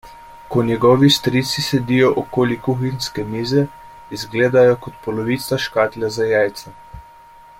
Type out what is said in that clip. Ko njegovi strici sedijo okoli kuhinjske mize, izgledajo kot polovica škatle za jajca.